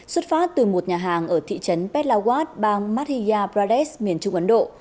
xuất phát từ một nhà hàng ở thị trấn petlawat bang mathiya pradesh miền trung ấn độ